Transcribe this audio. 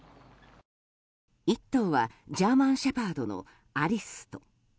１頭はジャーマンシェパードのアリスト。